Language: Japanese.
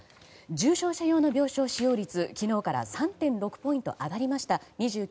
重症者用の病床使用率は昨日から３．６ポイント上がりました。